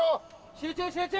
集中集中！